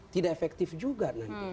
tidak efektif juga nanti